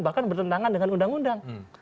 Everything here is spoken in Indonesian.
bahkan bertentangan dengan undang undang